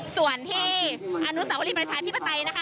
ส่วนที่อนุสาวรีประชาธิปไตยนะคะ